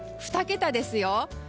２桁ですよ。